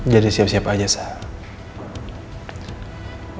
jadi siap siap aja sal